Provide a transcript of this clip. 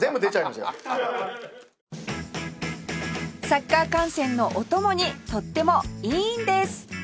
サッカー観戦のお供にとってもいいんです！